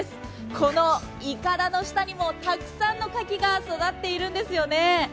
このいかだの下にもたくさんのかきが育っているんですよね。